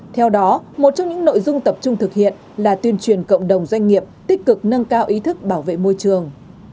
theo đó một trong những nội dung tập trung thực hiện là tuyên truyền cộng đồng doanh nghiệp tích cực nâng cao ý thức bảo vệ môi trường